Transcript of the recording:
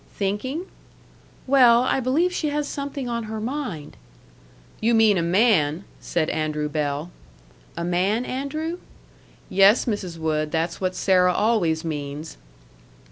"Thinking?" "Well, I believe she has something on her mind." "You mean a man," said Andrew Bell. "A man, Andrew?" "Yes, Mrs. Wood, that's what Sarah always means."